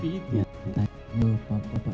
tidak saya lupa pak efes